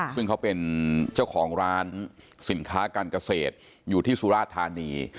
ซึ่งเขาเป็นเจ้าของร้านสินค้าการเกษตรอยู่ที่สุราธานี